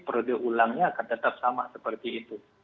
periode ulangnya akan tetap sama seperti itu